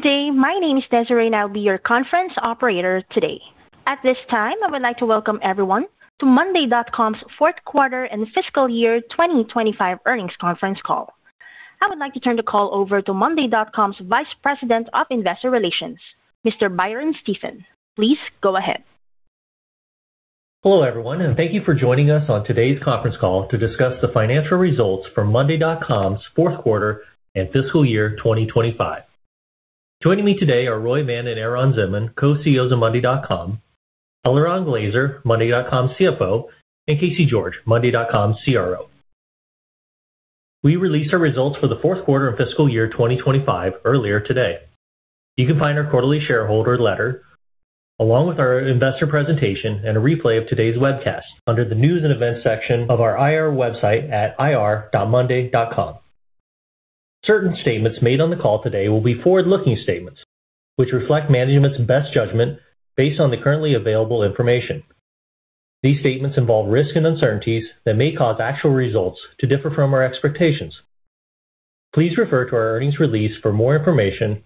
Good day, my name is Desiree and I'll be your conference operator today. At this time, I would like to welcome everyone to monday.com's fourth quarter and fiscal year 2025 earnings conference call. I would like to turn the call over to monday.com's Vice President of Investor Relations, Mr. Byron Stephen. Please go ahead. Hello everyone, and thank you for joining us on today's conference call to discuss the financial results for monday.com's fourth quarter and fiscal year 2025. Joining me today are Roy Mann and Eran Zinman, Co-CEOs of monday.com, Eliran Glazer, monday.com CFO, and Casey George, monday.com CRO. We released our results for the fourth quarter and fiscal year 2025 earlier today. You can find our quarterly shareholder letter, along with our investor presentation and a replay of today's webcast under the news and events section of our IR website at irmonday.com. Certain statements made on the call today will be forward-looking statements, which reflect management's best judgment based on the currently available information. These statements involve risk and uncertainties that may cause actual results to differ from our expectations. Please refer to our earnings release for more information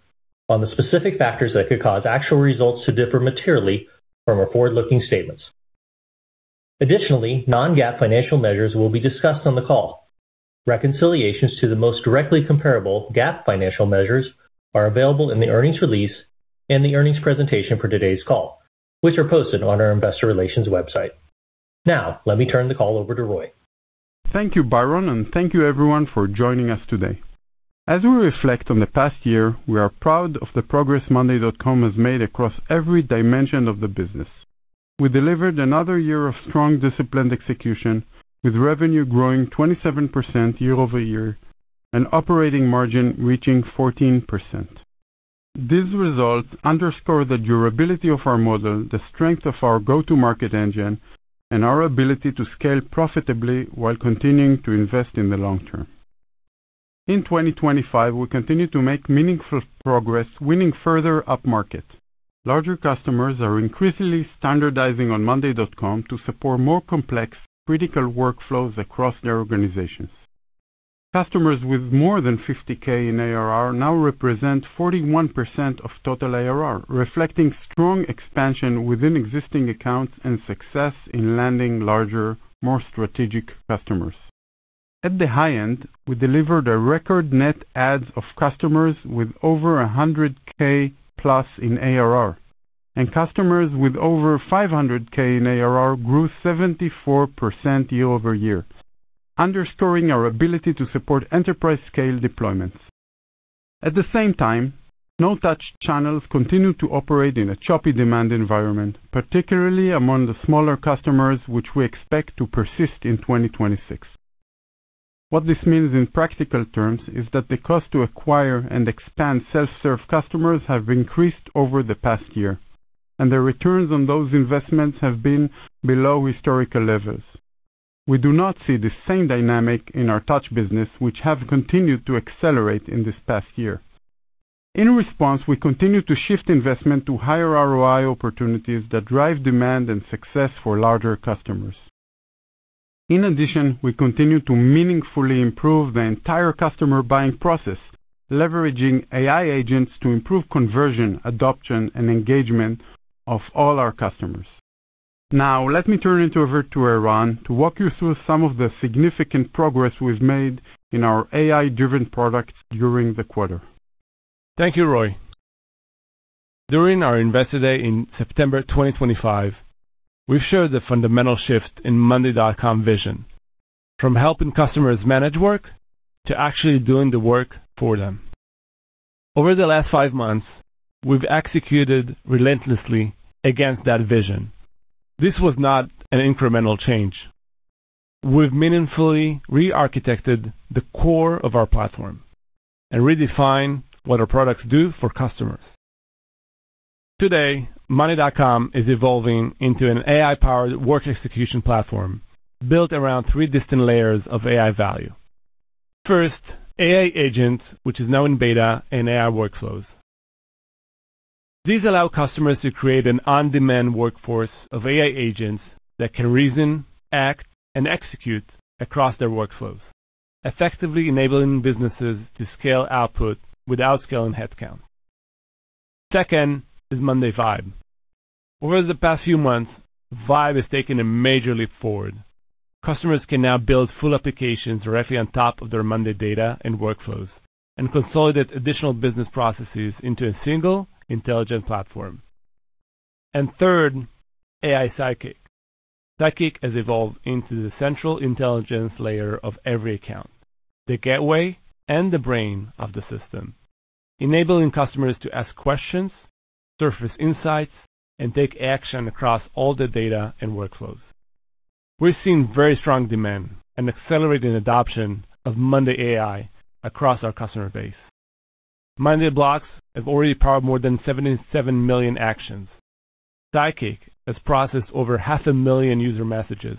on the specific factors that could cause actual results to differ materially from our forward-looking statements. Additionally, non-GAAP financial measures will be discussed on the call. Reconciliations to the most directly comparable GAAP financial measures are available in the earnings release and the earnings presentation for today's call, which are posted on our investor relations website. Now, let me turn the call over to Roy. Thank you, Byron, and thank you everyone for joining us today. As we reflect on the past year, we are proud of the progress monday.com has made across every dimension of the business. We delivered another year of strong disciplined execution, with revenue growing 27% year-over-year, and operating margin reaching 14%. These results underscore the durability of our model, the strength of our go-to-market engine, and our ability to scale profitably while continuing to invest in the long term. In 2025, we continue to make meaningful progress, winning further upmarket. Larger customers are increasingly standardizing on monday.com to support more complex, critical workflows across their organizations. Customers with more than $50,000 in ARR now represent 41% of total ARR, reflecting strong expansion within existing accounts and success in landing larger, more strategic customers. At the high end, we delivered a record net add of customers with over 100K+ in ARR, and customers with over 500K in ARR grew 74% year-over-year, underscoring our ability to support enterprise-scale deployments. At the same time, no-touch channels continue to operate in a choppy demand environment, particularly among the smaller customers, which we expect to persist in 2026. What this means in practical terms is that the cost to acquire and expand self-serve customers has increased over the past year, and the returns on those investments have been below historical levels. We do not see the same dynamic in our touch business, which has continued to accelerate in this past year. In response, we continue to shift investment to higher ROI opportunities that drive demand and success for larger customers. In addition, we continue to meaningfully improve the entire customer buying process, leveraging AI Agents to improve conversion, adoption, and engagement of all our customers. Now, let me turn it over to Eran to walk you through some of the significant progress we've made in our AI-driven products during the quarter. Thank you, Roy. During our investor day in September 2025, we've shared the fundamental shift in monday.com's vision, from helping customers manage work to actually doing the work for them. Over the last five months, we've executed relentlessly against that vision. This was not an incremental change. We've meaningfully re-architected the core of our platform and redefined what our products do for customers. Today, monday.com is evolving into an AI-powered work execution platform built around three distinct layers of AI value. First, AI Agents, which is now in beta, and AI Workflows. These allow customers to create an on-demand workforce of AI Agents that can reason, act, and execute across their workflows, effectively enabling businesses to scale output without scaling headcount. Second is Monday Vibe. Over the past few months, Vibe has taken a major leap forward. Customers can now build full applications directly on top of their monday.com data and workflows, and consolidate additional business processes into a single, intelligent platform. And third, AI Sidekick. Sidekick has evolved into the central intelligence layer of every account, the gateway and the brain of the system, enabling customers to ask questions, surface insights, and take action across all the data and workflows. We've seen very strong demand and accelerating adoption of monday.com AI across our customer base. Monday Blocks have already powered more than 77 million actions. Sidekick has processed over 500,000 user messages,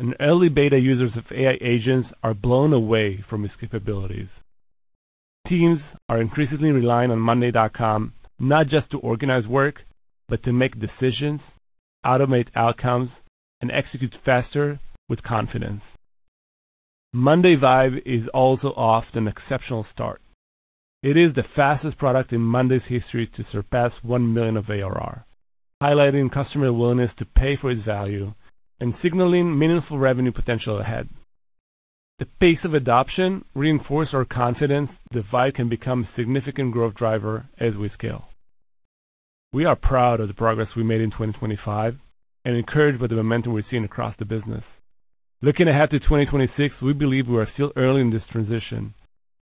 and early beta users of AI agents are blown away from its capabilities. Teams are increasingly relying on monday.com not just to organize work, but to make decisions, automate outcomes, and execute faster with confidence. Monday Vibe is also often an exceptional start. It is the fastest product in monday.com's history to surpass $1 million of ARR, highlighting customer willingness to pay for its value and signaling meaningful revenue potential ahead. The pace of adoption reinforces our confidence that Vibe can become a significant growth driver as we scale. We are proud of the progress we made in 2025 and encouraged by the momentum we're seeing across the business. Looking ahead to 2026, we believe we are still early in this transition.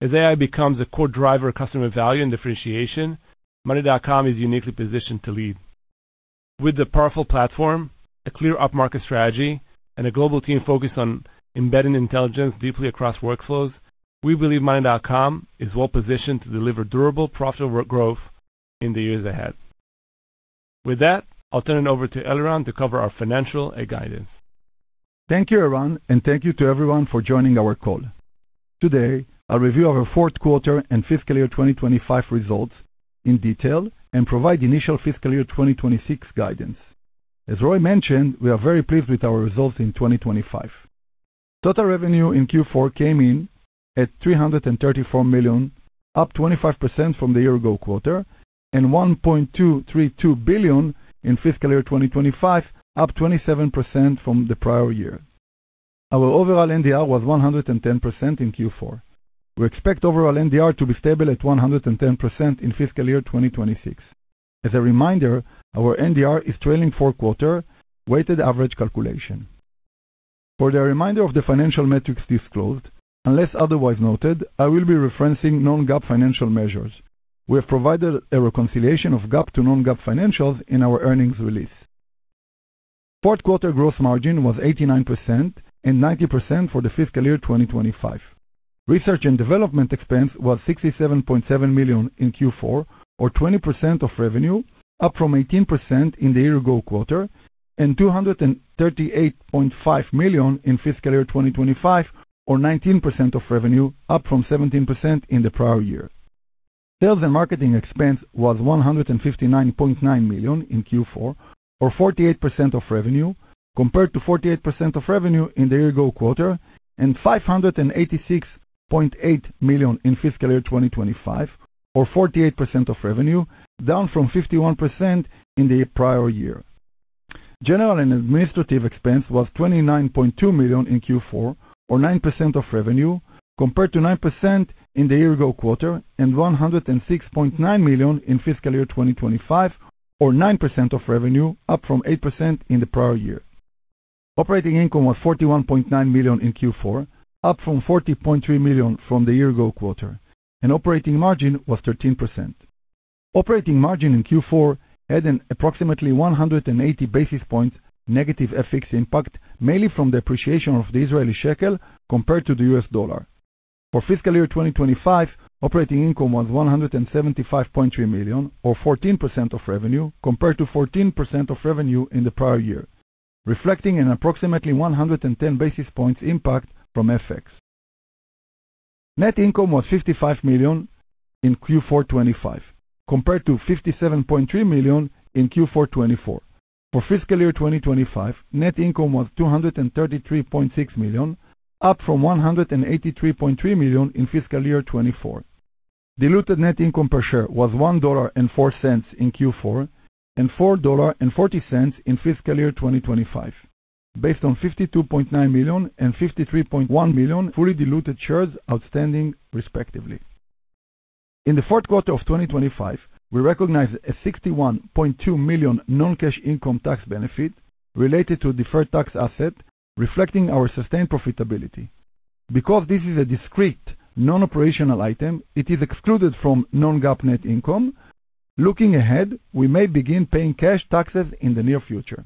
As AI becomes a core driver of customer value and differentiation, monday.com is uniquely positioned to lead. With the powerful platform, a clear upmarket strategy, and a global team focused on embedding intelligence deeply across workflows, we believe monday.com is well positioned to deliver durable, profitable growth in the years ahead. With that, I'll turn it over to Eliran to cover our financial guidance. Thank you, Eran, and thank you to everyone for joining our call. Today, I'll review our fourth quarter and fiscal year 2025 results in detail and provide initial fiscal year 2026 guidance. As Roy mentioned, we are very pleased with our results in 2025. Total revenue in Q4 came in at $334 million, up 25% from the year-ago quarter, and $1.232 billion in fiscal year 2025, up 27% from the prior year. Our overall NDR was 110% in Q4. We expect overall NDR to be stable at 110% in fiscal year 2026. As a reminder, our NDR is trailing fourth quarter weighted average calculation. For the remainder of the financial metrics disclosed, unless otherwise noted, I will be referencing non-GAAP financial measures. We have provided a reconciliation of GAAP to non-GAAP financials in our earnings release. Fourth quarter gross margin was 89% and 90% for the fiscal year 2025. Research and development expense was $67.7 million in Q4, or 20% of revenue, up from 18% in the year-ago quarter, and $238.5 million in fiscal year 2025, or 19% of revenue, up from 17% in the prior year. Sales and marketing expense was $159.9 million in Q4, or 48% of revenue, compared to 48% of revenue in the year-ago quarter, and $586.8 million in fiscal year 2025, or 48% of revenue, down from 51% in the prior year. General and administrative expense was $29.2 million in Q4, or 9% of revenue, compared to 9% in the year-ago quarter, and $106.9 million in fiscal year 2025, or 9% of revenue, up from 8% in the prior year. Operating income was $41.9 million in Q4, up from $40.3 million from the year-ago quarter, and operating margin was 13%. Operating margin in Q4 had an approximately 180 basis points negative FX impact, mainly from the appreciation of the Israeli shekel compared to the U.S. dollar. For fiscal year 2025, operating income was $175.3 million, or 14% of revenue, compared to 14% of revenue in the prior year, reflecting an approximately 110 basis points impact from FX. Net income was $55 million in Q4/25, compared to $57.3 million in Q4/24. For fiscal year 2025, net income was $233.6 million, up from $183.3 million in fiscal year 2024. Diluted net income per share was $1.04 in Q4 and $4.40 in fiscal year 2025, based on 52.9 million and 53.1 million fully diluted shares outstanding, respectively. In the fourth quarter of 2025, we recognized a $61.2 million non-cash income tax benefit related to a deferred tax asset, reflecting our sustained profitability. Because this is a discrete, non-operational item, it is excluded from non-GAAP net income. Looking ahead, we may begin paying cash taxes in the near future.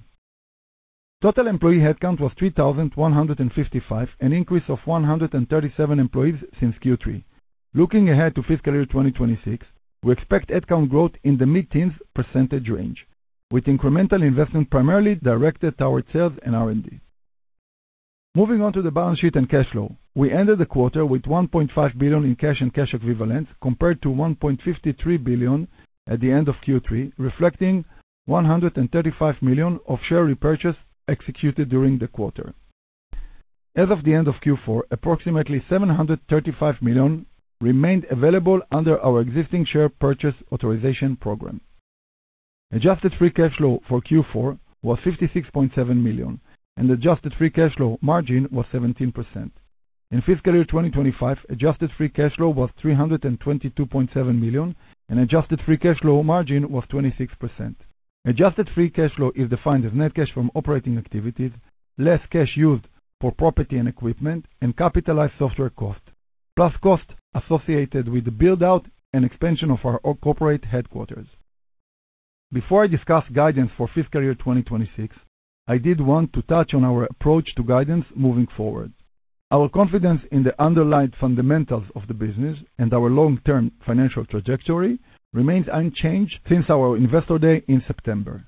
Total employee headcount was 3,155, an increase of 137 employees since Q3. Looking ahead to fiscal year 2026, we expect headcount growth in the mid-teens % range, with incremental investment primarily directed toward sales and R&D. Moving on to the balance sheet and cash flow, we ended the quarter with $1.5 billion in cash and cash equivalents, compared to $1.53 billion at the end of Q3, reflecting $135 million of share repurchase executed during the quarter. As of the end of Q4, approximately $735 million remained available under our existing share purchase authorization program. Adjusted free cash flow for Q4 was $56.7 million, and adjusted free cash flow margin was 17%. In fiscal year 2025, adjusted free cash flow was $322.7 million, and adjusted free cash flow margin was 26%. Adjusted free cash flow is defined as net cash from operating activities, less cash used for property and equipment, and capitalized software cost, plus costs associated with the build-out and expansion of our corporate headquarters. Before I discuss guidance for fiscal year 2026, I did want to touch on our approach to guidance moving forward. Our confidence in the underlying fundamentals of the business and our long-term financial trajectory remains unchanged since our investor day in September.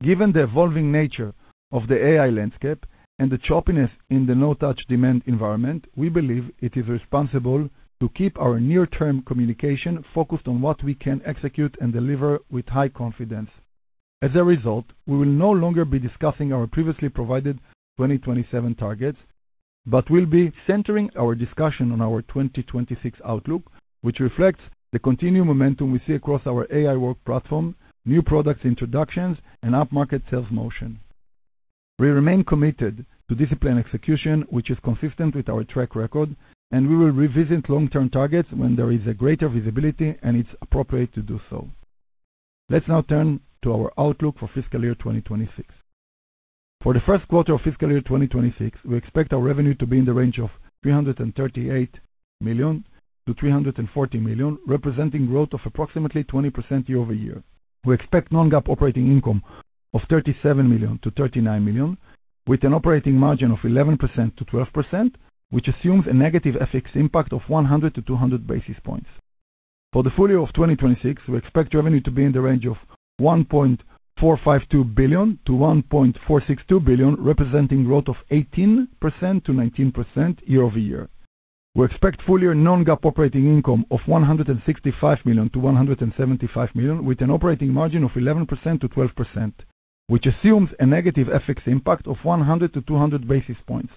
Given the evolving nature of the AI landscape and the choppiness in the no-touch demand environment, we believe it is responsible to keep our near-term communication focused on what we can execute and deliver with high confidence. As a result, we will no longer be discussing our previously provided 2027 targets, but will be centering our discussion on our 2026 outlook, which reflects the continued momentum we see across our AI work platform, new products introductions, and upmarket sales motion. We remain committed to discipline execution, which is consistent with our track record, and we will revisit long-term targets when there is greater visibility and it's appropriate to do so. Let's now turn to our outlook for fiscal year 2026. For the first quarter of fiscal year 2026, we expect our revenue to be in the range of $338 million-$340 million, representing growth of approximately 20% year-over-year. We expect non-GAAP operating income of $37 million-$39 million, with an operating margin of 11%-12%, which assumes a negative FX impact of 100 to 200 basis points. For the full year of 2026, we expect revenue to be in the range of $1.452 billion-$1.462 billion, representing growth of 18%-19% year-over-year. We expect full year non-GAAP operating income of $165 million-$175 million, with an operating margin of 11%-12%, which assumes a negative FX impact of 100 to 200 basis points.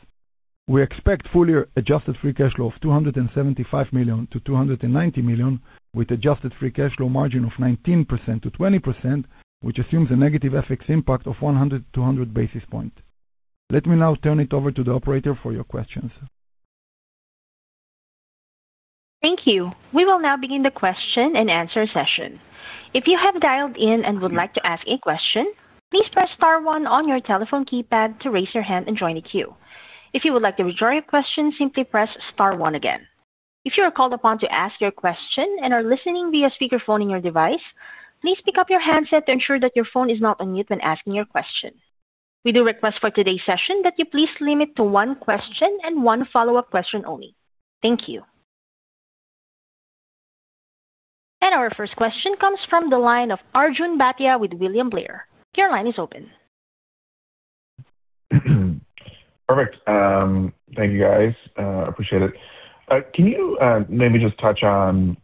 We expect full year adjusted free cash flow of $275 million-$290 million, with adjusted free cash flow margin of 19%-20%, which assumes a negative FX impact of 100 to 200 basis points. Let me now turn it over to the operator for your questions. Thank you. We will now begin the question and answer session. If you have dialed in and would like to ask a question, please press star one on your telephone keypad to raise your hand and join the queue. If you would like to rejoin your question, simply press star one again. If you are called upon to ask your question and are listening via speakerphone in your device, please pick up your handset to ensure that your phone is not on mute when asking your question. We do request for today's session that you please limit to one question and one follow-up question only. Thank you. Our first question comes from the line of Arjun Bhatia with William Blair. Your line is open. Perfect. Thank you, guys. Appreciate it. Can you maybe just touch on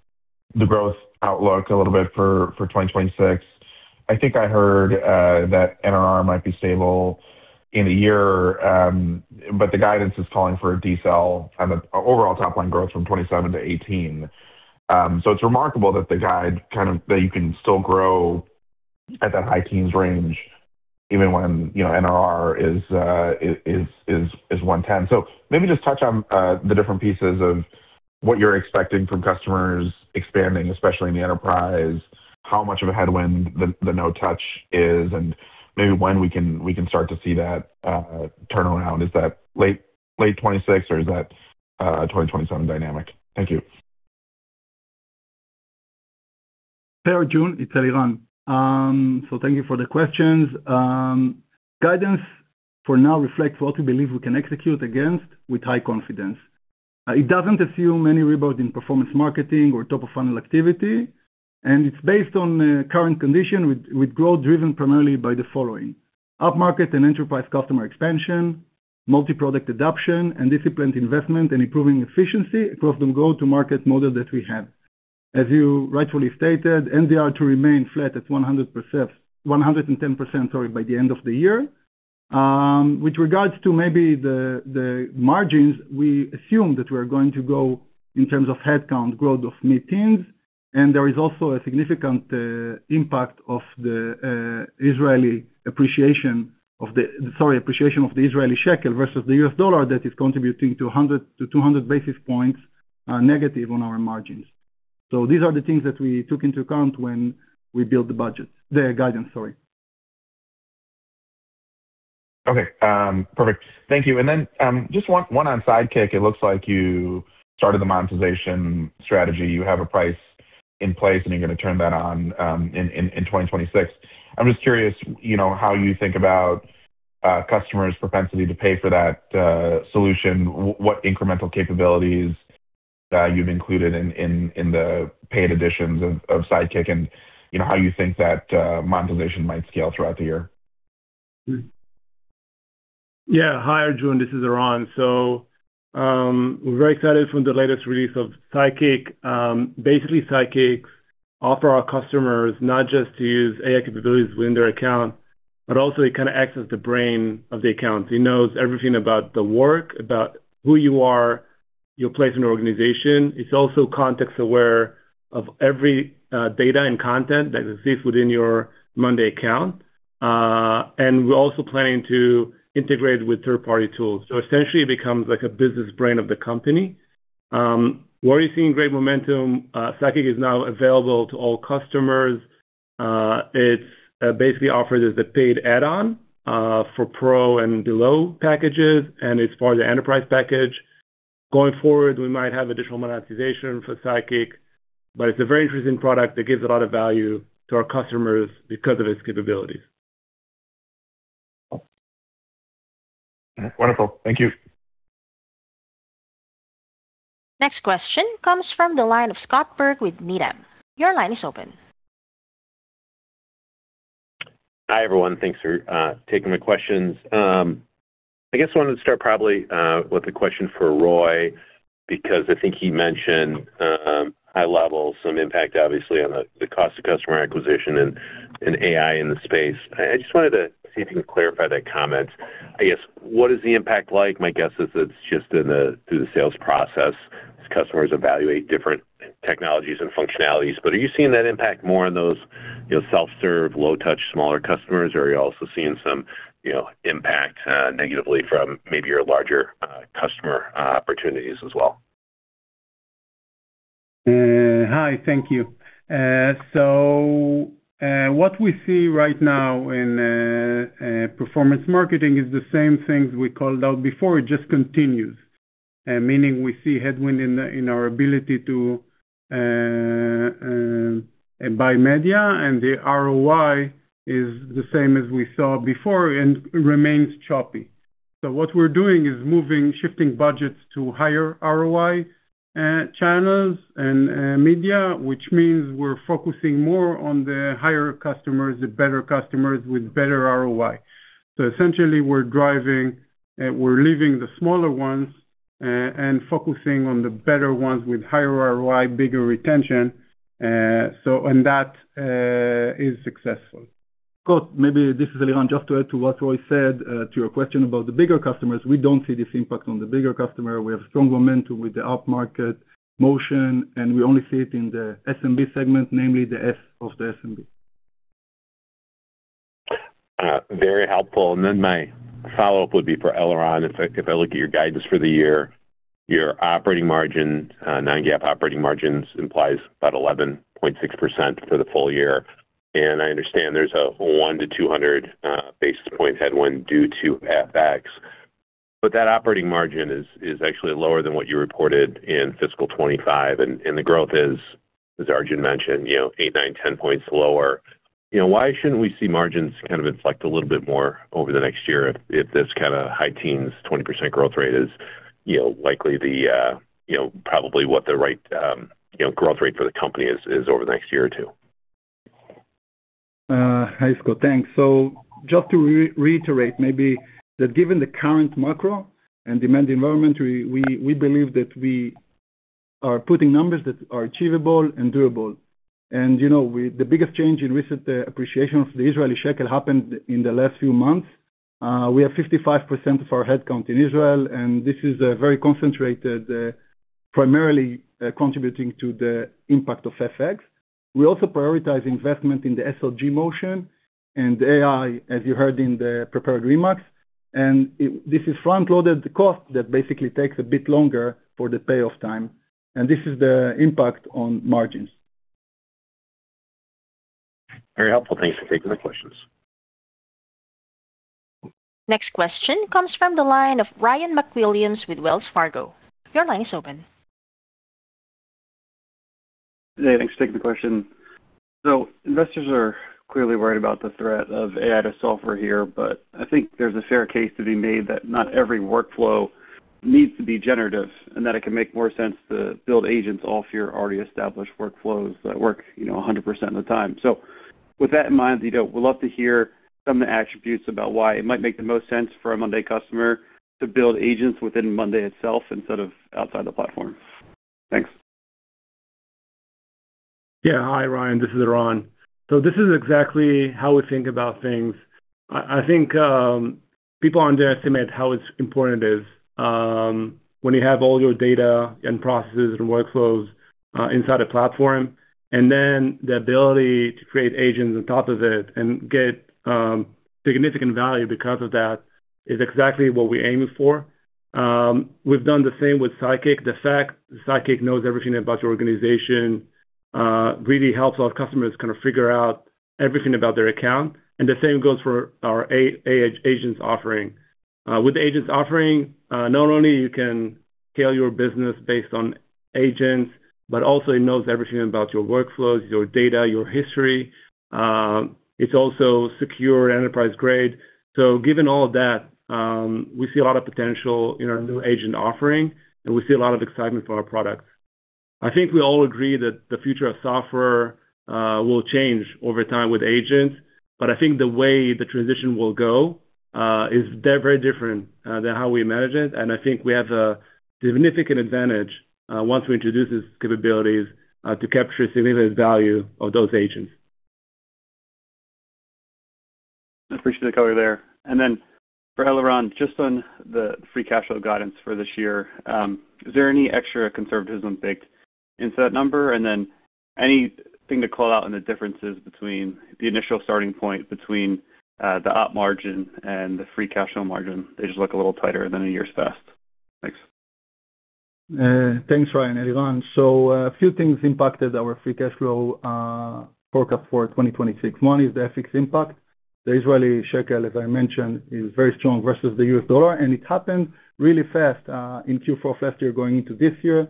the growth outlook a little bit for 2026? I think I heard that NRR might be stable in a year, but the guidance is calling for a decel, kind of overall topline growth from 27% to 18%. So it's remarkable that the guide kind of that you can still grow at that high teens range even when NRR is 110%. So maybe just touch on the different pieces of what you're expecting from customers expanding, especially in the enterprise, how much of a headwind the no-touch is, and maybe when we can start to see that turnaround. Is that late 2026, or is that 2027 dynamic? Thank you. Hey, Arjun. It's Eliran. So thank you for the questions. Guidance, for now, reflects what we believe we can execute against with high confidence. It doesn't assume any rebound in performance marketing or top-of-funnel activity, and it's based on current condition with growth driven primarily by the following: upmarket and enterprise customer expansion, multi-product adoption, and disciplined investment and improving efficiency across the go-to-market model that we have. As you rightfully stated, NDR to remain flat at 110% by the end of the year. With regards to maybe the margins, we assume that we are going to go in terms of headcount growth of mid-teens, and there is also a significant impact of the Israeli appreciation of the appreciation of the Israeli shekel versus the U.S. dollar that is contributing to 100-200 basis points negative on our margins. These are the things that we took into account when we built the budget, the guidance. Sorry. Okay. Perfect. Thank you. And then just one Sidekick. It looks like you started the monetization strategy. You have a price in place, and you're going to turn that on in 2026. I'm just curious how you think about customers' propensity to pay for that solution, what incremental capabilities you've included in the paid additions of Sidekick, and how you think that monetization might scale throughout the year? Yeah. Hi, Arjun. This is Eran. So we're very excited from the latest release of Sidekick. Basically, Sidekick offers our customers not just to use AI capabilities within their account, but also it kind of accesses the brain of the account. It knows everything about the work, about who you are, your place in the organization. It's also context-aware of every data and content that exists within your monday.com account. And we're also planning to integrate with third-party tools. So essentially, it becomes a business brain of the company. Where are you seeing great momentum? Sidekick is now available to all customers. It's basically offered as a paid add-on for pro and below packages, and it's part of the enterprise package. Going forward, we might have additional monetization for Sidekick, but it's a very interesting product that gives a lot of value to our customers because of its capabilities. Wonderful. Thank you. Next question comes from the line of Scott Berg with Needham. Your line is open. Hi, everyone. Thanks for taking my questions. I guess I wanted to start probably with a question for Roy because I think he mentioned high level, some impact, obviously, on the cost of customer acquisition and AI in the space. I just wanted to see if you can clarify that comment. I guess, what is the impact like? My guess is it's just through the sales process as customers evaluate different technologies and functionalities. But are you seeing that impact more in those self-serve, low-touch, smaller customers, or are you also seeing some impact negatively from maybe your larger customer opportunities as well? Hi. Thank you. So what we see right now in performance marketing is the same things we called out before. It just continues, meaning we see headwind in our ability to buy media, and the ROI is the same as we saw before and remains choppy. So what we're doing is shifting budgets to higher ROI channels and media, which means we're focusing more on the higher customers, the better customers with better ROI. So essentially, we're leaving the smaller ones and focusing on the better ones with higher ROI, bigger retention, and that is successful. Cool. Maybe this is Eliran. Just to add to what Roy said to your question about the bigger customers, we don't see this impact on the bigger customer. We have strong momentum with the upmarket motion, and we only see it in the SMB segment, namely the S of the SMB. Very helpful. Then my follow-up would be for Eliran. If I look at your guidance for the year, your Non-GAAP operating margins implies about 11.6% for the full year. I understand there's a 1-200 basis point headwind due to FX, but that operating margin is actually lower than what you reported in fiscal 2025. The growth is, as Arjun mentioned, eight, nine, 10 points lower. Why shouldn't we see margins kind of inflect a little bit more over the next year if this kind of high teens 20% growth rate is likely probably what the right growth rate for the company is over the next year or two? Hi, Scott. Thanks. So just to reiterate maybe that given the current macro and demand environment, we believe that we are putting numbers that are achievable and durable. And the biggest change in recent appreciation of the Israeli shekel happened in the last few months. We have 55% of our headcount in Israel, and this is very concentrated, primarily contributing to the impact of FX. We also prioritize investment in the SLG motion and AI, as you heard in the prepared remarks. And this is front-loaded cost that basically takes a bit longer for the payoff time. And this is the impact on margins. Very helpful. Thanks for taking my questions. Next question comes from the line of Ryan McWilliams with Wells Fargo. Your line is open. Hey. Thanks for taking the question. So investors are clearly worried about the threat of AI to solve for here, but I think there's a fair case to be made that not every workflow needs to be generative and that it can make more sense to build agents off your already established workflows that work 100% of the time. So with that in mind, we'd love to hear some of the attributes about why it might make the most sense for a Monday customer to build agents within Monday itself instead of outside the platform. Thanks. Yeah. Hi, Ryan. This is Eran. So this is exactly how we think about things. I think people underestimate how important it is when you have all your data and processes and workflows inside a platform, and then the ability to create agents on top of it and get significant value because of that is exactly what we're aiming for. We've done the same with Sidekick. The fact Sidekick knows everything about your organization really helps our customers kind of figure out everything about their account. And the same goes for our agents offering. With the agents offering, not only can you scale your business based on agents, but also it knows everything about your workflows, your data, your history. It's also secure, enterprise-grade. So given all of that, we see a lot of potential in our new agent offering, and we see a lot of excitement for our products. I think we all agree that the future of software will change over time with agents, but I think the way the transition will go is very different than how we imagine it. I think we have a significant advantage once we introduce these capabilities to capture significant value of those agents. I appreciate the color there. Then for Eliran, just on the free cash flow guidance for this year, is there any extra conservatism baked into that number? Then anything to call out in the differences between the initial starting point between the operating margin and the free cash flow margin? They just look a little tighter than in years past. Thanks. Thanks, Ryan. Eliran, so a few things impacted our free cash flow forecast for 2026. One is the FX impact. The Israeli shekel, as I mentioned, is very strong versus the U.S. dollar, and it happened really fast in Q4 of last year going into this year.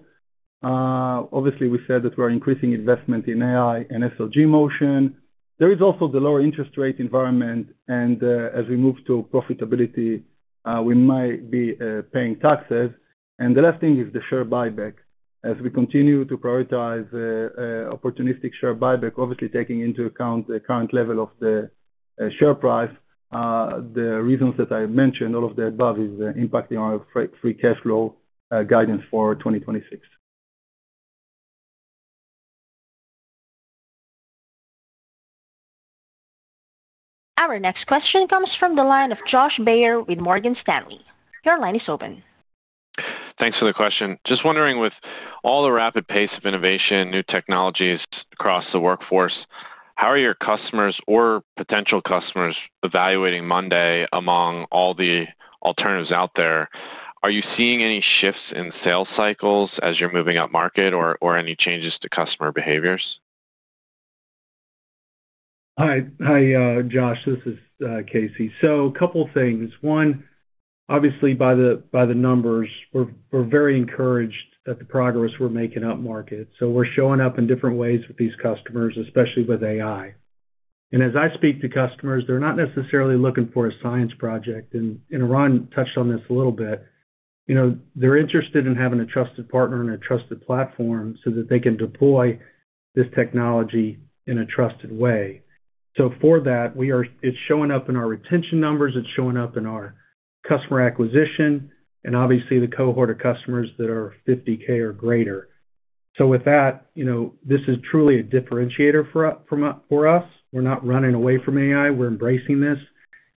Obviously, we said that we are increasing investment in AI and SLG motion. There is also the lower interest rate environment, and as we move to profitability, we might be paying taxes. And the last thing is the share buyback. As we continue to prioritize opportunistic share buyback, obviously taking into account the current level of the share price, the reasons that I mentioned, all of the above is impacting our free cash flow guidance for 2026. Our next question comes from the line of Josh Baer with Morgan Stanley. Your line is open. Thanks for the question. Just wondering, with all the rapid pace of innovation, new technologies across the workforce, how are your customers or potential customers evaluating monday.com among all the alternatives out there? Are you seeing any shifts in sales cycles as you're moving upmarket or any changes to customer behaviors? Hi. Hi, Josh. This is Casey. So a couple of things. One, obviously, by the numbers, we're very encouraged at the progress we're making upmarket. So we're showing up in different ways with these customers, especially with AI. And as I speak to customers, they're not necessarily looking for a science project. And Eran touched on this a little bit. They're interested in having a trusted partner and a trusted platform so that they can deploy this technology in a trusted way. So for that, it's showing up in our retention numbers. It's showing up in our customer acquisition and, obviously, the cohort of customers that are $50K or greater. So with that, this is truly a differentiator for us. We're not running away from AI. We're embracing this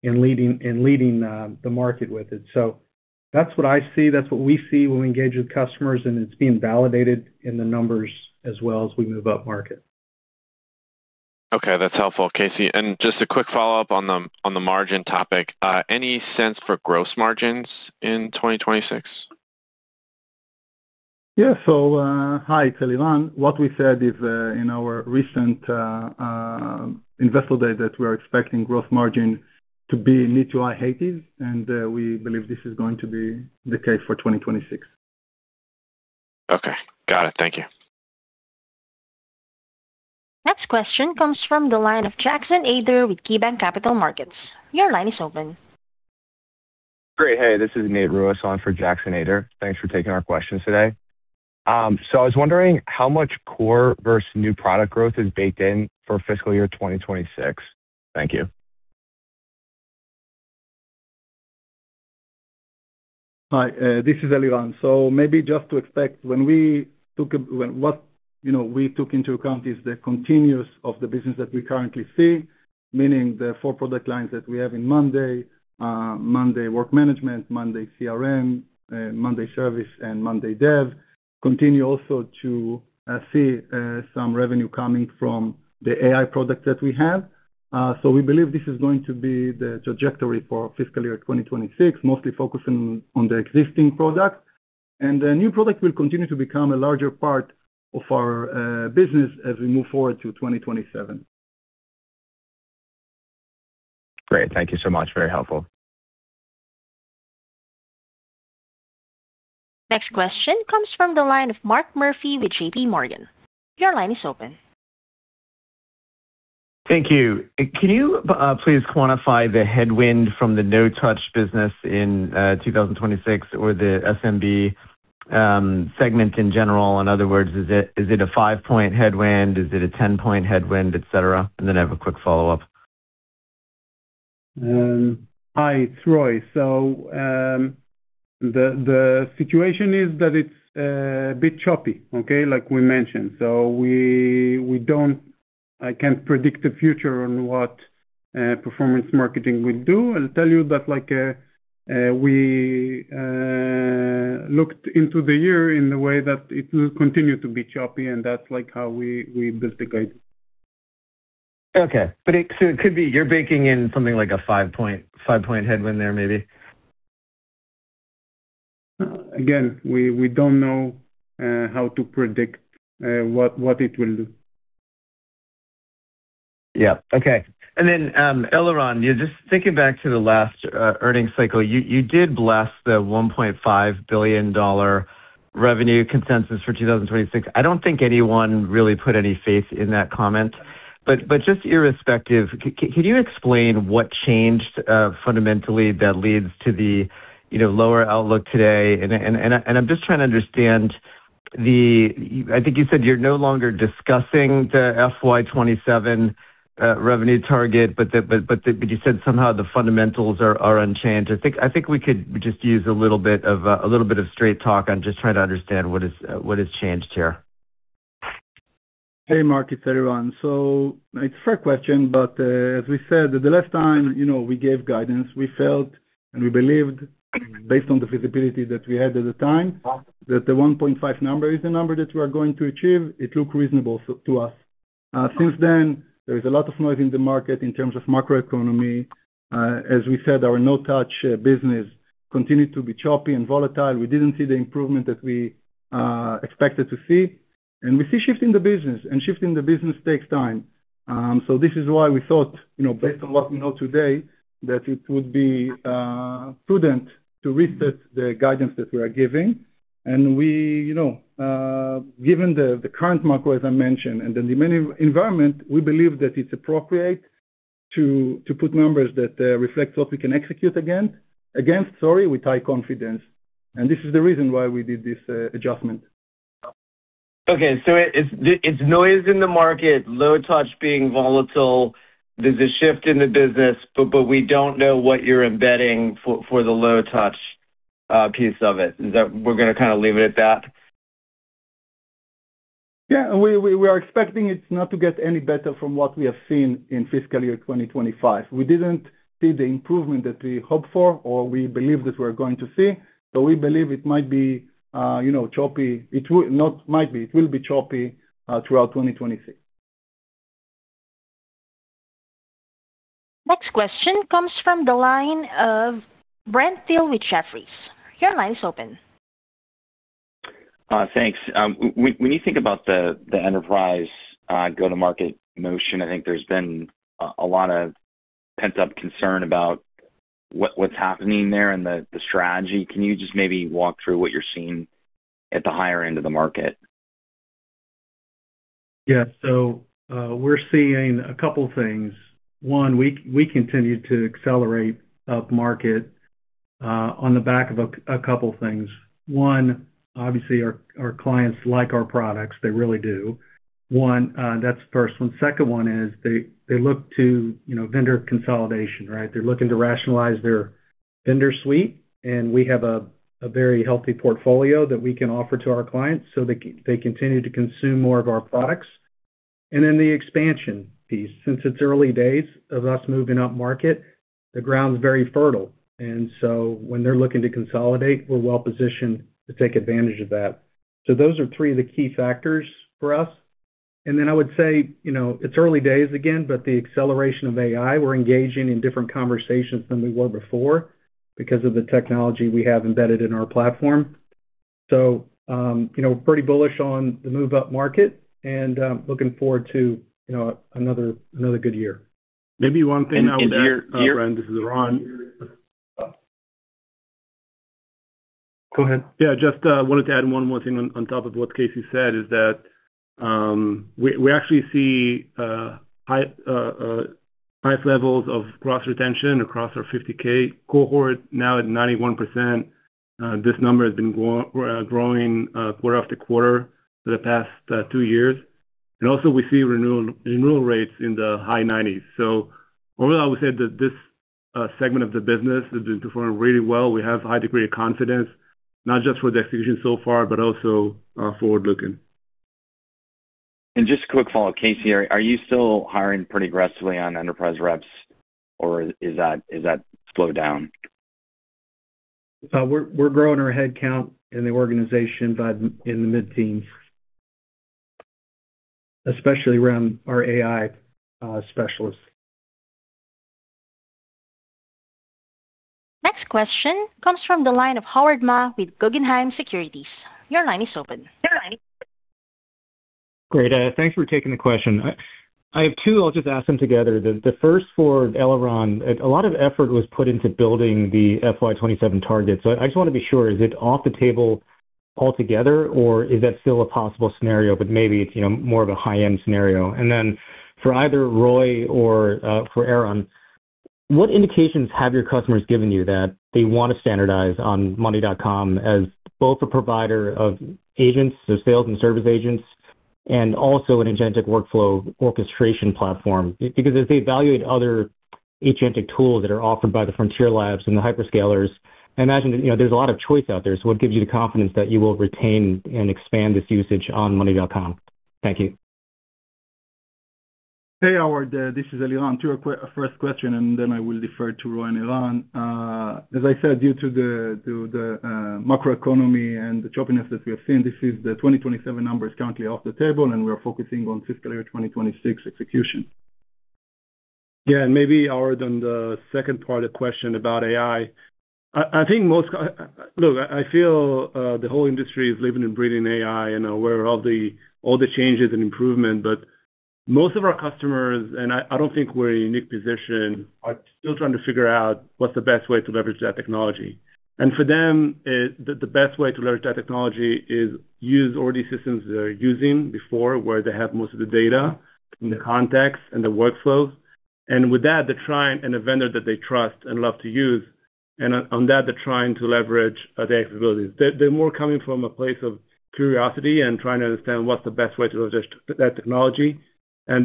and leading the market with it. So that's what I see. That's what we see when we engage with customers, and it's being validated in the numbers as well as we move upmarket. Okay. That's helpful, Casey. And just a quick follow-up on the margin topic. Any sense for gross margins in 2026? Yeah. So hi, it's Eliran. What we said is in our recent investor day that we are expecting gross margin to be in the high 80s, and we believe this is going to be the case for 2026. Okay. Got it. Thank you. Next question comes from the line of Jackson Ader with KeyBanc Capital Markets. Your line is open. Great. Hey. This is Nate Ruiz. I'm for Jackson Ader. Thanks for taking our questions today. So I was wondering how much core versus new product growth is baked in for fiscal year 2026? Thank you. Hi. This is Eliran. So maybe just to expect, when we took what we took into account is the continuity of the business that we currently see, meaning the four product lines that we have in monday.com: monday.com Work Management, monday.com CRM, monday.com Service, and monday.com Dev, continue also to see some revenue coming from the AI product that we have. So we believe this is going to be the trajectory for fiscal year 2026, mostly focusing on the existing product. And the new product will continue to become a larger part of our business as we move forward to 2027. Great. Thank you so much. Very helpful. Next question comes from the line of Mark Murphy with J.P. Morgan. Your line is open. Thank you. Can you please quantify the headwind from the no-touch business in 2026 or the SMB segment in general? In other words, is it a five-point headwind? Is it a 10-point headwind, etc.? And then I have a quick follow-up. Hi, it's Roy. So the situation is that it's a bit choppy, okay, like we mentioned. So I can't predict the future on what performance marketing will do. I'll tell you that we looked into the year in the way that it will continue to be choppy, and that's how we built the guidance. Okay. So it could be you're baking in something like a five-point headwind there maybe? Again, we don't know how to predict what it will do. Yeah. Okay. And then Eliran, just thinking back to the last earnings cycle, you did blast the $1.5 billion revenue consensus for 2026. I don't think anyone really put any faith in that comment. But just irrespective, can you explain what changed fundamentally that leads to the lower outlook today? And I'm just trying to understand the, I think you said you're no longer discussing the FY 2027 revenue target, but you said somehow the fundamentals are unchanged. I think we could just use a little bit of straight talk. I'm just trying to understand what has changed here. Hey, Mark. Hi, everyone. So it's a fair question, but as we said, the last time we gave guidance, we felt and we believed, based on the visibility that we had at the time, that the 1.5 number is the number that we are going to achieve. It looked reasonable to us. Since then, there is a lot of noise in the market in terms of macroeconomy. As we said, our no-touch business continued to be choppy and volatile. We didn't see the improvement that we expected to see. And we see shift in the business, and shift in the business takes time. So this is why we thought, based on what we know today, that it would be prudent to reset the guidance that we are giving. Given the current macro, as I mentioned, and the demand environment, we believe that it's appropriate to put numbers that reflect what we can execute against. Sorry, with high confidence. This is the reason why we did this adjustment. Okay. So it's noise in the market, low touch being volatile. There's a shift in the business, but we don't know what you're embedding for the low-touch piece of it. We're going to kind of leave it at that? Yeah. We are expecting it not to get any better from what we have seen in fiscal year 2025. We didn't see the improvement that we hoped for or we believed that we were going to see. We believe it might be choppy. It might be. It will be choppy throughout 2026. Next question comes from the line of Brent Thill with Jefferies. Your line is open. Thanks. When you think about the enterprise go-to-market motion, I think there's been a lot of pent-up concern about what's happening there and the strategy. Can you just maybe walk through what you're seeing at the higher end of the market? Yeah. So we're seeing a couple of things. One, we continue to accelerate upmarket on the back of a couple of things. One, obviously, our clients like our products. They really do. One, that's the first one. Second one is they look to vendor consolidation, right? They're looking to rationalize their vendor suite, and we have a very healthy portfolio that we can offer to our clients so they continue to consume more of our products. And then the expansion piece. Since it's early days of us moving upmarket, the ground's very fertile. And so when they're looking to consolidate, we're well-positioned to take advantage of that. So those are three of the key factors for us. And then I would say it's early days again, but the acceleration of AI, we're engaging in different conversations than we were before because of the technology we have embedded in our platform. Pretty bullish on the move upmarket and looking forward to another good year. Maybe one thing I would add, Ryan. This is Eran. Go ahead. Yeah. Just wanted to add one more thing on top of what Casey said, is that we actually see high levels of gross retention across our 50K cohort. Now at 91%, this number has been growing quarter after quarter for the past two years. And also, we see renewal rates in the high 90s. So overall, I would say that this segment of the business has been performing really well. We have high degree of confidence, not just for the execution so far, but also forward-looking. Just a quick follow-up, Casey. Are you still hiring pretty aggressively on enterprise reps, or is that slowed down? We're growing our headcount in the organization in the mid-teens, especially around our AI specialists. Next question comes from the line of Howard Ma with Guggenheim Securities. Your line is open. Great. Thanks for taking the question. I have two. I'll just ask them together. The first for Eliran, a lot of effort was put into building the FY 2027 target. So I just want to be sure, is it off the table altogether, or is that still a possible scenario? But maybe it's more of a high-end scenario. And then for either Roy or for Eran, what indications have your customers given you that they want to standardize on monday.com as both a provider of agents, so sales and service agents, and also an agentic workflow orchestration platform? Because as they evaluate other agentic tools that are offered by the Frontier Labs and the hyperscalers, I imagine there's a lot of choice out there. So what gives you the confidence that you will retain and expand this usage on monday.com? Thank you. Hey, Howard. This is Eliran. Two first questions, and then I will defer to Roy and Eran. As I said, due to the macroeconomy and the choppiness that we have seen, this is the 2027 number is currently off the table, and we are focusing on fiscal year 2026 execution. Yeah. And maybe, Howard, on the second part of the question about AI, I think most look, I feel the whole industry is living and breathing AI and aware of all the changes and improvement. But most of our customers—and I don't think we're in a unique position—are still trying to figure out what's the best way to leverage that technology. And for them, the best way to leverage that technology is use already systems they're using before where they have most of the data and the context and the workflows. And with that, they're trying and a vendor that they trust and love to use. And on that, they're trying to leverage their capabilities. They're more coming from a place of curiosity and trying to understand what's the best way to leverage that technology.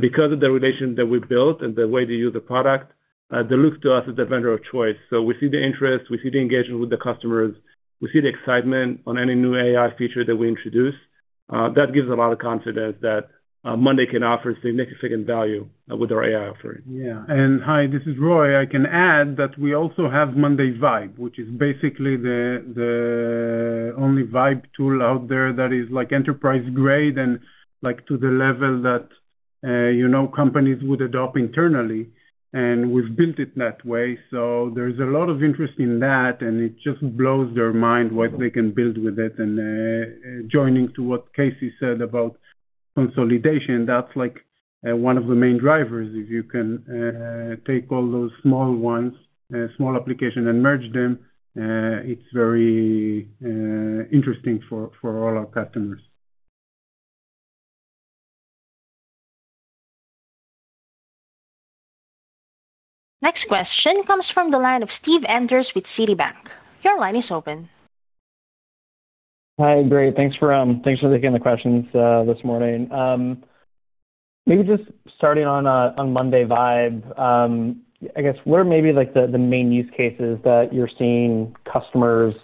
Because of the relation that we built and the way they use the product, they look to us as the vendor of choice. So we see the interest. We see the engagement with the customers. We see the excitement on any new AI feature that we introduce. That gives a lot of confidence that Monday can offer significant value with our AI offering. Yeah. And hi, this is Roy. I can add that we also have Monday Vibe, which is basically the only vibe tool out there that is enterprise-grade and to the level that companies would adopt internally. And we've built it that way. So there's a lot of interest in that, and it just blows their mind what they can build with it. And joining to what Casey said about consolidation, that's one of the main drivers. If you can take all those small ones, small applications, and merge them, it's very interesting for all our customers. Next question comes from the line of Steven Enders with Citibank. Your line is open. Hi. Great. Thanks for taking the questions this morning. Maybe just starting on monday vibe, I guess, what are maybe the main use cases that you're seeing customers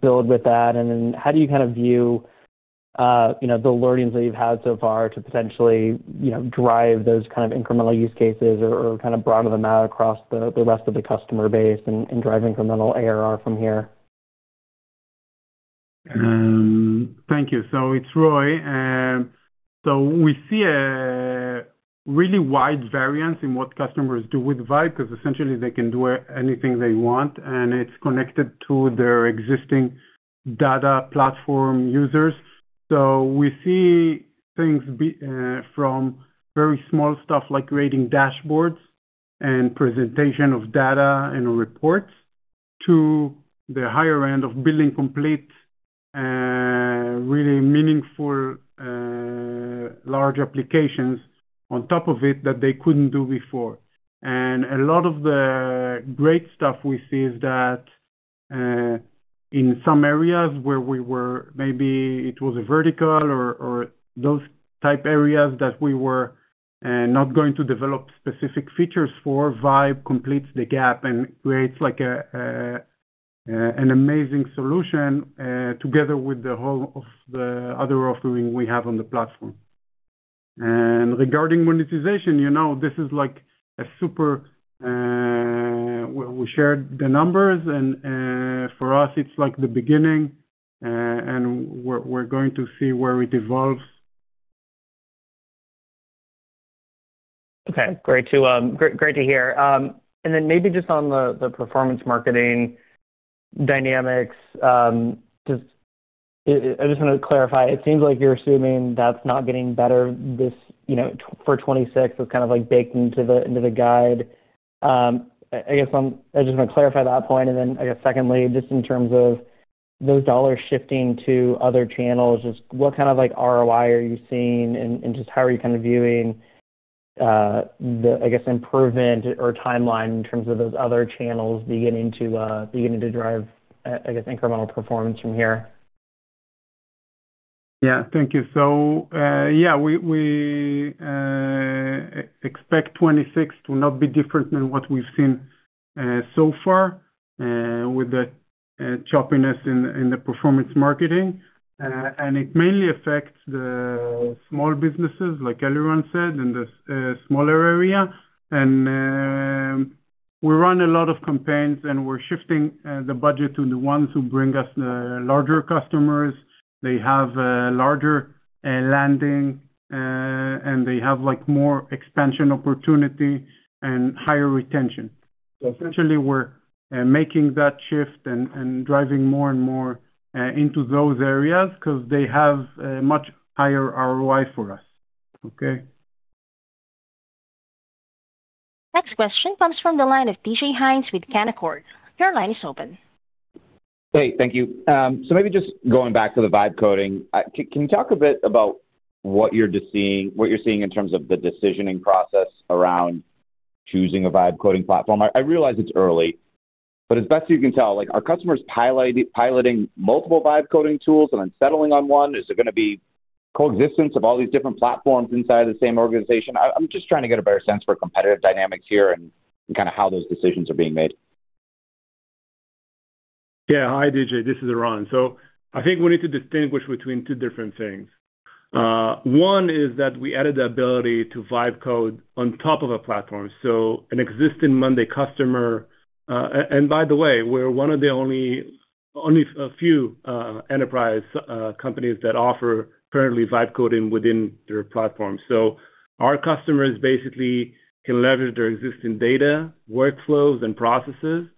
build with that? And then how do you kind of view the learnings that you've had so far to potentially drive those kind of incremental use cases or kind of broaden them out across the rest of the customer base and drive incremental ARR from here? Thank you. So it's Roy. So we see a really wide variance in what customers do with Vibe because essentially, they can do anything they want, and it's connected to their existing data platform users. So we see things from very small stuff like creating dashboards and presentation of data and reports to the higher end of building complete, really meaningful, large applications on top of it that they couldn't do before. And a lot of the great stuff we see is that in some areas where we were maybe it was a vertical or those type areas that we were not going to develop specific features for, Vibe completes the gap and creates an amazing solution together with the whole of the other offering we have on the platform. And regarding monetization, this is a super we shared the numbers. For us, it's the beginning, and we're going to see where it evolves. Okay. Great to hear. Then maybe just on the performance marketing dynamics, I just want to clarify. It seems like you're assuming that's not getting better for 2026. It's kind of baked into the guide. I guess I just want to clarify that point. Then I guess, secondly, just in terms of those dollars shifting to other channels, just what kind of ROI are you seeing, and just how are you kind of viewing, I guess, improvement or timeline in terms of those other channels beginning to drive, I guess, incremental performance from here? Yeah. Thank you. So yeah, we expect 2026 to not be different than what we've seen so far with the choppiness in the performance marketing. And it mainly affects the small businesses, like Eliran said, in the smaller area. And we run a lot of campaigns, and we're shifting the budget to the ones who bring us the larger customers. They have larger landing, and they have more expansion opportunity and higher retention. So essentially, we're making that shift and driving more and more into those areas because they have much higher ROI for us, okay? Next question comes from the line of David Hynes with Canaccord Genuity. Your line is open. Hey. Thank you. So maybe just going back to the Vibe coding, can you talk a bit about what you're seeing in terms of the decisioning process around choosing a Vibe coding platform? I realize it's early, but as best as you can tell, are customers piloting multiple Vibe coding tools and then settling on one? Is there going to be coexistence of all these different platforms inside of the same organization? I'm just trying to get a better sense for competitive dynamics here and kind of how those decisions are being made. Yeah. Hi, DJ. This is Eran. So I think we need to distinguish between two different things. One is that we added the ability to Vibe code on top of a platform. So an existing Monday customer and by the way, we're one of the only few enterprise companies that offer currently Vibe coding within their platform. So our customers basically can leverage their existing data, workflows, and processes,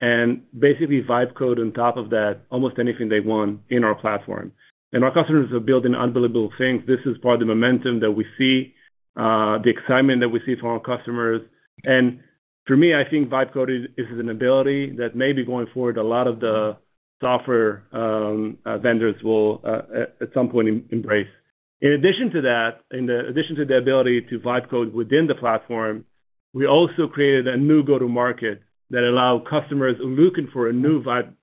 and basically Vibe code on top of that almost anything they want in our platform. And our customers are building unbelievable things. This is part of the momentum that we see, the excitement that we see from our customers. And for me, I think Vibe coding is an ability that maybe going forward, a lot of the software vendors will at some point embrace. In addition to that, in addition to the ability to Vibe code within the platform, we also created a new go-to-market that allow customers looking for a new Vibe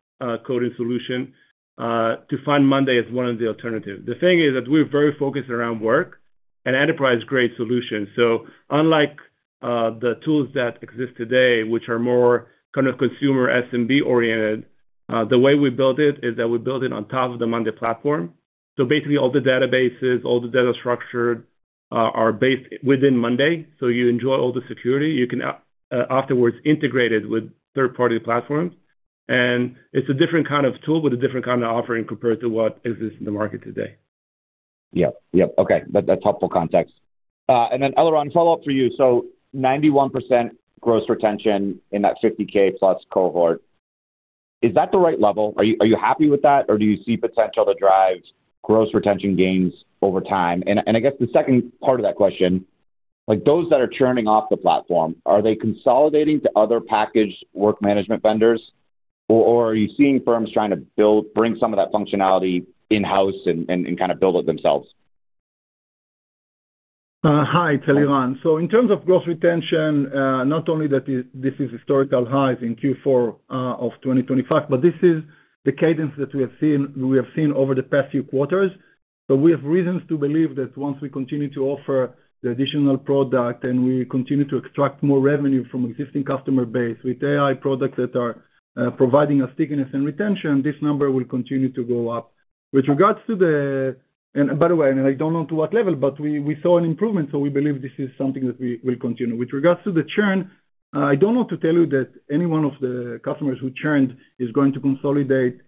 coding solution to find Monday as one of the alternatives. The thing is that we're very focused around work and enterprise-grade solutions. So unlike the tools that exist today, which are more kind of consumer SMB-oriented, the way we built it is that we built it on top of the Monday platform. So basically, all the databases, all the data structure are based within Monday. So you enjoy all the security. You can afterwards integrate it with third-party platforms. And it's a different kind of tool with a different kind of offering compared to what exists in the market today. Yep. Yep. Okay. That's helpful context. And then Eliran, follow-up for you. So 91% gross retention in that 50K-plus cohort. Is that the right level? Are you happy with that, or do you see potential to drive gross retention gains over time? And I guess the second part of that question, those that are churning off the platform, are they consolidating to other packaged work management vendors, or are you seeing firms trying to bring some of that functionality in-house and kind of build it themselves? Hi, David. So in terms of gross retention, not only that this is historical highs in Q4 of 2025, but this is the cadence that we have seen over the past few quarters. So we have reasons to believe that once we continue to offer the additional product and we continue to extract more revenue from existing customer base with AI products that are providing us stickiness and retention, this number will continue to go up. With regards to the and by the way, and I don't know to what level, but we saw an improvement, so we believe this is something that we will continue. With regards to the churn, I don't know to tell you that any one of the customers who churned is going to consolidate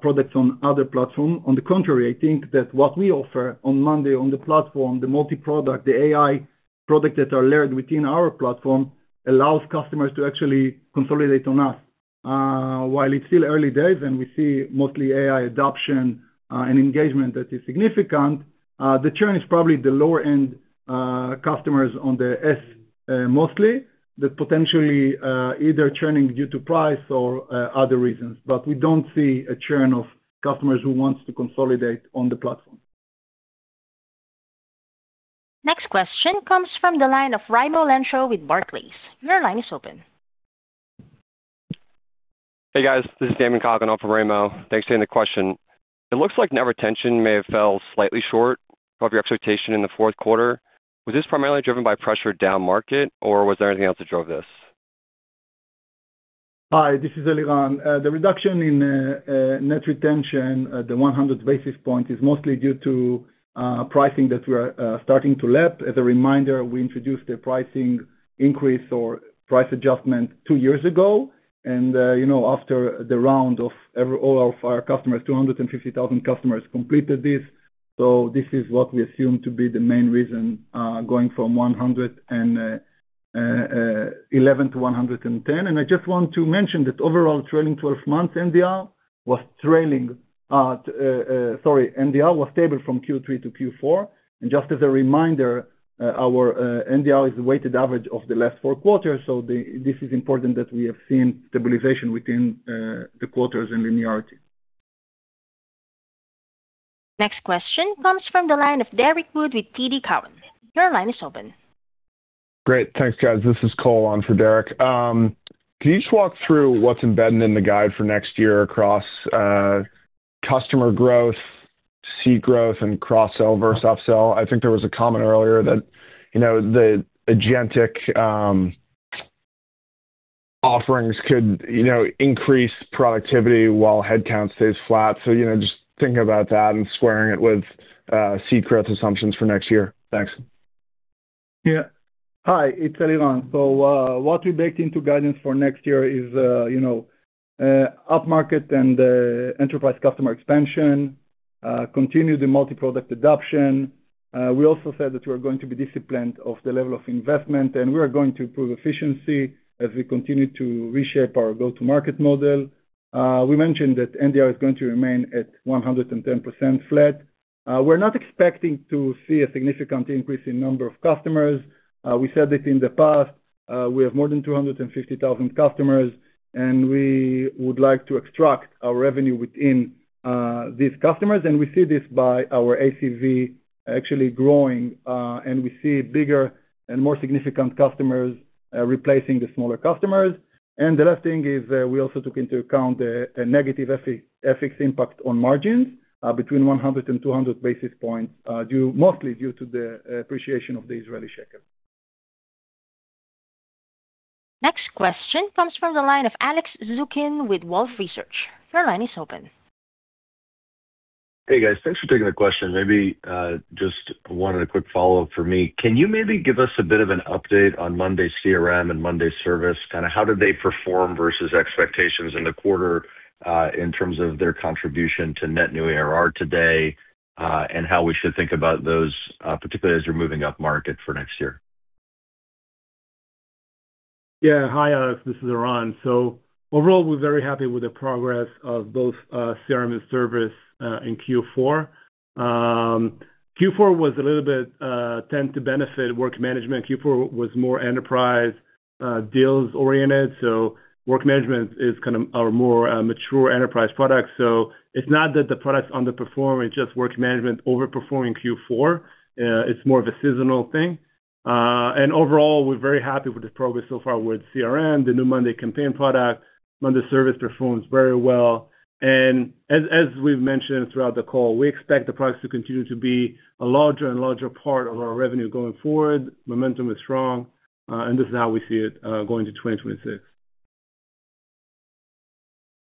products on other platforms. On the contrary, I think that what we offer on monday.com on the platform, the multi-product, the AI product that are layered within our platform allows customers to actually consolidate on us. While it's still early days, and we see mostly AI adoption and engagement that is significant, the churn is probably the lower-end customers on the S mostly that potentially either churning due to price or other reasons. But we don't see a churn of customers who want to consolidate on the platform. Next question comes from the line of Raimo Lenschow with Barclays. Your line is open. Hey, guys. This is Damon Coggin off of Raimo Lenschow. Thanks for taking the question. It looks like net retention may have fell slightly short of your expectation in the fourth quarter. Was this primarily driven by pressure down market, or was there anything else that drove this? Hi. This is Eliran. The reduction in net retention, the 100 basis points, is mostly due to pricing that we are starting to lap. As a reminder, we introduced a pricing increase or price adjustment two years ago. And after the rollout to all our customers, 250,000 customers completed this. So this is what we assume to be the main reason going from 111 to 110. And I just want to mention that overall trailing 12 months, NDR was trailing sorry, NDR was stable from Q3 to Q4. And just as a reminder, our NDR is the weighted average of the last four quarters. So this is important that we have seen stabilization within the quarters and linearity. Next question comes from the line of Derek Wood with TD Cowen. Your line is open. Great. Thanks, guys. This is Cole on for Derek. Can you just walk through what's embedded in the guidance for next year across customer growth, seat growth, and cross-sell versus upsell? I think there was a comment earlier that the agentic offerings could increase productivity while headcount stays flat. So just thinking about that and squaring it with seat growth assumptions for next year. Thanks. Yeah. Hi. It's Eliran. So what we baked into guidance for next year is upmarket and enterprise customer expansion, continue the multi-product adoption. We also said that we are going to be disciplined of the level of investment, and we are going to improve efficiency as we continue to reshape our go-to-market model. We mentioned that NDR is going to remain at 110% flat. We're not expecting to see a significant increase in number of customers. We said it in the past. We have more than 250,000 customers, and we would like to extract our revenue within these customers. And we see this by our ACV actually growing, and we see bigger and more significant customers replacing the smaller customers. The last thing is we also took into account the negative FX impact on margins between 100-200 basis points, mostly due to the appreciation of the Israeli shekel. Next question comes from the line of Alex Zukin with Wolfe Research. Your line is open. Hey, guys. Thanks for taking the question. Maybe just wanted a quick follow-up for me. Can you maybe give us a bit of an update on monday CRM and monday service? Kind of how did they perform versus expectations in the quarter in terms of their contribution to net new ARR today and how we should think about those, particularly as you're moving up market for next year? Yeah. Hi, Alex. This is Eran. So overall, we're very happy with the progress of both CRM and service in Q4. Q4 was a little bit tended to benefit work management. Q4 was more enterprise deals-oriented. So work management is kind of our more mature enterprise product. So it's not that the products underperform. It's just work management overperformed in Q4. It's more of a seasonal thing. And overall, we're very happy with the progress so far with CRM, the new monday CRM product. monday service performs very well. And as we've mentioned throughout the call, we expect the products to continue to be a larger and larger part of our revenue going forward. Momentum is strong, and this is how we see it going to 2026.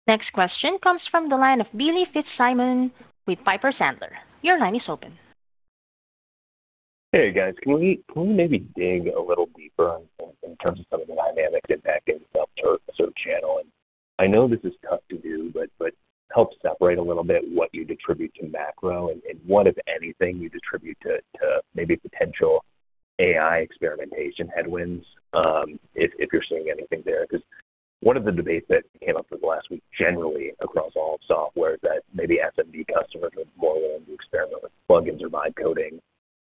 Next question comes from the line of Billy Fitzsimmons with Piper Sandler. Your line is open. Hey, guys. Can we maybe dig a little deeper in terms of some of the dynamics impacting the subchannel? I know this is tough to do, but help separate a little bit what you attribute to macro and what, if anything, you attribute to maybe potential AI experimentation headwinds if you're seeing anything there. Because one of the debates that came up for the last week generally across all software is that maybe SMB customers are more willing to experiment with plugins or Vibe coding,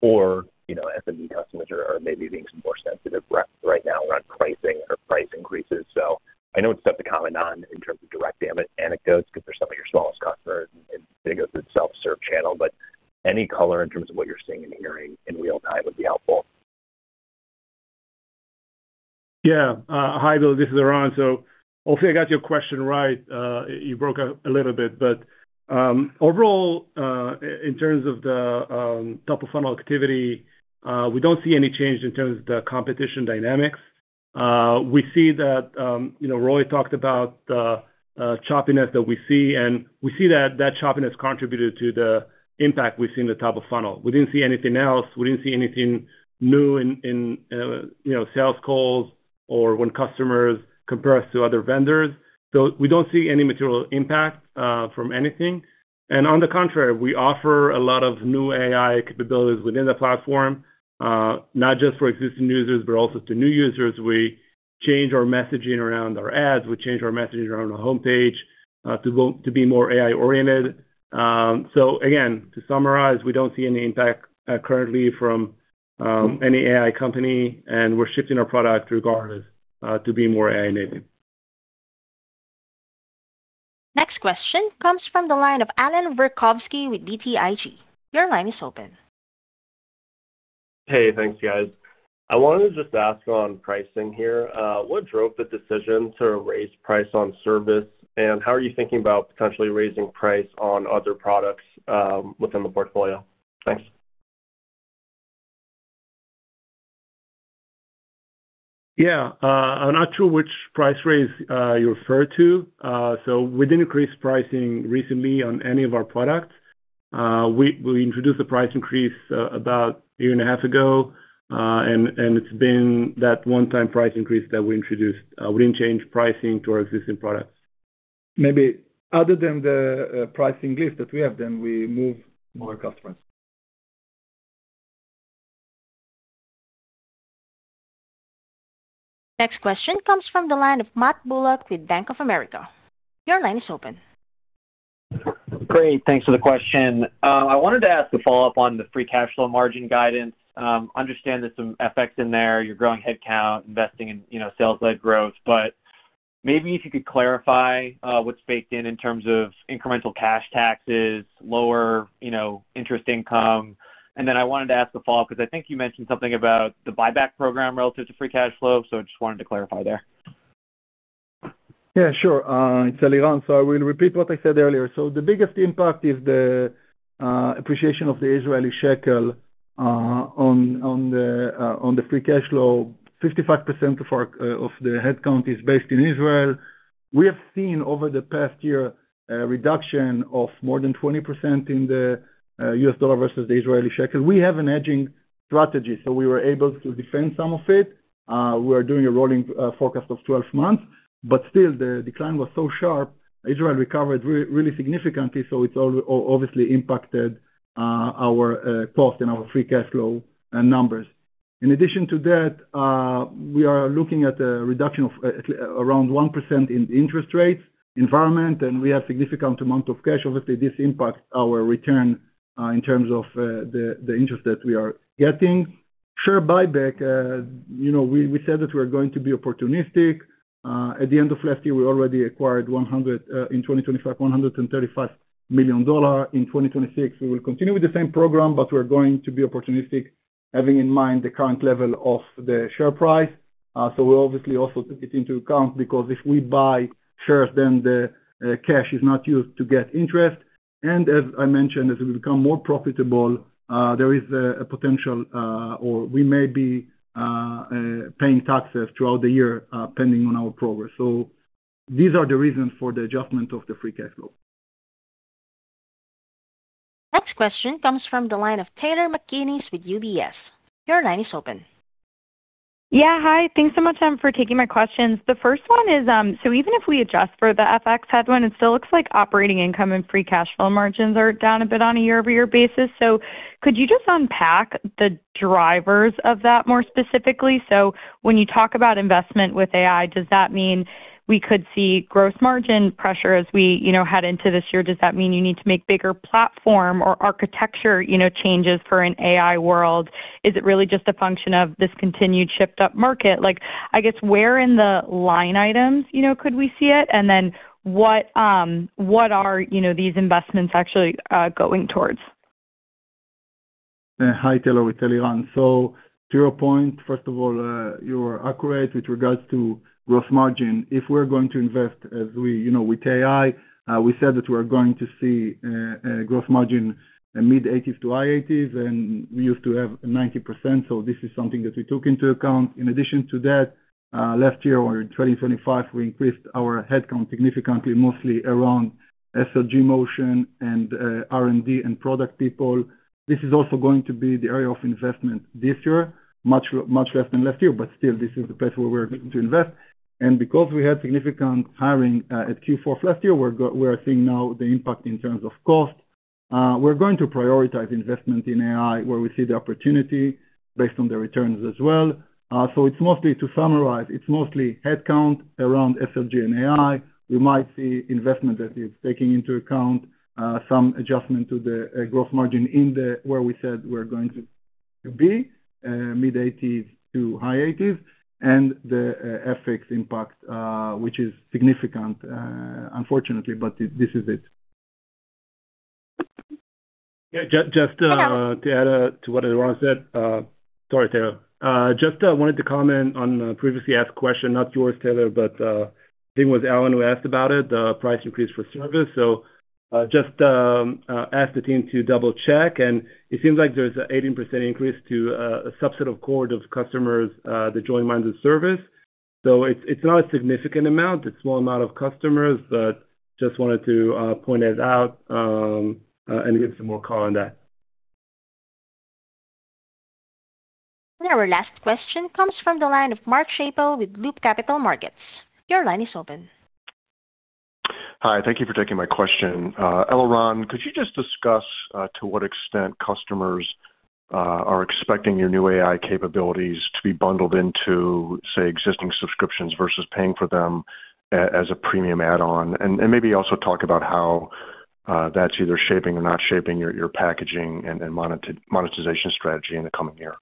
or SMB customers are maybe being more sensitive right now around pricing or price increases. So I know it's tough to comment on in terms of direct anecdotes because they're some of your smallest customers, and it goes to the self-serve channel. But any color in terms of what you're seeing and hearing in real time would be helpful. Yeah. Hi, Bill. This is Eran. So hopefully, I got your question right. You broke up a little bit. But overall, in terms of the top-of-funnel activity, we don't see any change in terms of the competition dynamics. We see that Roy talked about the choppiness that we see, and we see that that choppiness contributed to the impact we've seen in the top-of-funnel. We didn't see anything else. We didn't see anything new in sales calls or when customers compare us to other vendors. So we don't see any material impact from anything. And on the contrary, we offer a lot of new AI capabilities within the platform, not just for existing users, but also to new users. We change our messaging around our ads. We change our messaging around our homepage to be more AI-oriented. So again, to summarize, we don't see any impact currently from any AI company, and we're shifting our product regardless to be more AI-native. Next question comes from the line of Alan Verkhovski with BTIG. Your line is open. Hey. Thanks, guys. I wanted to just ask on pricing here. What drove the decision to raise price on service, and how are you thinking about potentially raising price on other products within the portfolio? Thanks. Yeah. I'm not sure which price raise you refer to. So we didn't increase pricing recently on any of our products. We introduced a price increase about a year and a half ago, and it's been that one-time price increase that we introduced. We didn't change pricing to our existing products. Maybe other than the pricing list that we have, then we move more customers. Next question comes from the line of Matt Bullock with Bank of America. Your line is open. Great. Thanks for the question. I wanted to ask a follow-up on the free cash flow margin guidance. I understand there's some effects in there, your growing headcount, investing in sales-led growth. But maybe if you could clarify what's baked in in terms of incremental cash taxes, lower interest income. And then I wanted to ask a follow-up because I think you mentioned something about the buyback program relative to free cash flow, so I just wanted to clarify there. Yeah. Sure. It's Eliran. So I will repeat what I said earlier. So the biggest impact is the appreciation of the Israeli shekel on the free cash flow. 55% of the headcount is based in Israel. We have seen over the past year a reduction of more than 20% in the U.S. dollar versus the Israeli shekel. We have a hedging strategy. So we were able to defend some of it. We are doing a rolling forecast of 12 months. But still, the decline was so sharp, the shekel recovered really significantly, so it's obviously impacted our cost and our free cash flow numbers. In addition to that, we are looking at a reduction of around 1% in interest rates environment, and we have a significant amount of cash. Obviously, this impacts our return in terms of the interest that we are getting. Sure, buyback. We said that we are going to be opportunistic. At the end of last year, we already acquired in 2025, $135 million. In 2026, we will continue with the same program, but we're going to be opportunistic having in mind the current level of the share price. So we obviously also took it into account because if we buy shares, then the cash is not used to get interest. And as I mentioned, as we become more profitable, there is a potential or we may be paying taxes throughout the year pending on our progress. So these are the reasons for the adjustment of the free cash flow. Next question comes from the line of Taylor McGinnis with UBS. Your line is open. Yeah. Hi. Thanks so much for taking my questions. The first one is, so even if we adjust for the FX headwind, it still looks like operating income and free cash flow margins are down a bit on a year-over-year basis. So could you just unpack the drivers of that more specifically? So when you talk about investment with AI, does that mean we could see gross margin pressure as we head into this year? Does that mean you need to make bigger platform or architecture changes for an AI world? Is it really just a function of this continued shift up market? I guess where in the line items could we see it? And then what are these investments actually going towards? Hi, Taylor. It's Eliran. To your point, first of all, you're accurate with regards to gross margin. If we're going to invest with AI, we said that we are going to see gross margin mid-80s% to high-80s%, and we used to have 90%. This is something that we took into account. In addition to that, last year or in 2025, we increased our headcount significantly, mostly around SLG motion and R&D and product people. This is also going to be the area of investment this year, much less than last year. But still, this is the place where we're going to invest. And because we had significant hiring at Q4 of last year, we are seeing now the impact in terms of cost. We're going to prioritize investment in AI where we see the opportunity based on the returns as well. To summarize, it's mostly headcount around SLG and AI. We might see investment that it's taking into account, some adjustment to the gross margin where we said we're going to be mid-80s-high-80s, and the FX impact, which is significant, unfortunately. This is it. Yeah. Just to add to what Eliran said, sorry, Taylor. Just wanted to comment on a previously asked question, not yours, Taylor, but I think it was Arjun who asked about it, the price increase for service. So just asked the team to double-check. And it seems like there's an 18% increase to a subset of core customers, the Monday Service. So it's not a significant amount. It's a small amount of customers, but just wanted to point that out and give some more color on that. Our last question comes from the line of Mark Schappel with Loop Capital Markets. Your line is open. Hi. Thank you for taking my question. Eliran, could you just discuss to what extent customers are expecting your new AI capabilities to be bundled into, say, existing subscriptions versus paying for them as a premium add-on? And maybe also talk about how that's either shaping or not shaping your packaging and monetization strategy in the coming year.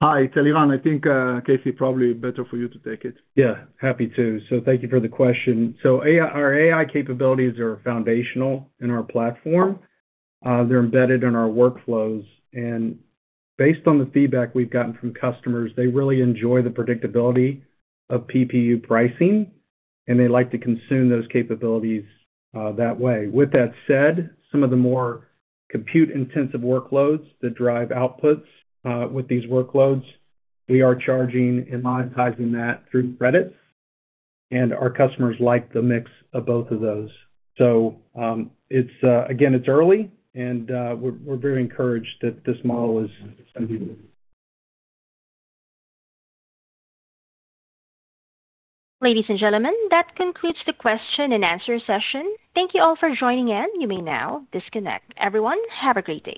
Hi, it's Eliran. I think, Casey, probably better for you to take it. Yeah. Happy to. So thank you for the question. So our AI capabilities are foundational in our platform. They're embedded in our workflows. And based on the feedback we've gotten from customers, they really enjoy the predictability of PPU pricing, and they like to consume those capabilities that way. With that said, some of the more compute-intensive workloads that drive outputs with these workloads, we are charging and monetizing that through credits. And our customers like the mix of both of those. So again, it's early, and we're very encouraged that this model is going to be working. [inaudible] Ladies and gentlemen, that concludes the question and answer session. Thank you all for joining in. You may now disconnect. Everyone, have a great day.